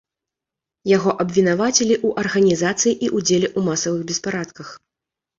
Яго абвінавацілі ў арганізацыі і ўдзеле ў масавых беспарадках.